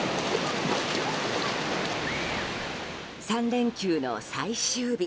３連休の最終日。